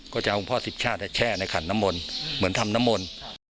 ก็จะเอาคุณพ่อสิบชาติแช่ในขันน้ำมนต์เหมือนทำน้ำมนต์